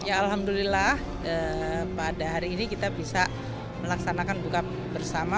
ya alhamdulillah pada hari ini kita bisa melaksanakan buka bersama